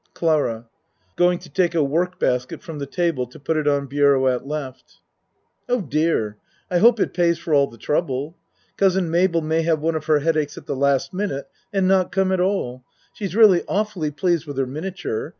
CLARA (Going to take a work basket from the table to put it on bureau at L.) Oh, dear! I hope it pays for all the trouble. Cousin Mabel may have one of her headaches at the last minute and not come at all. She's really awfully pleased with her miniature.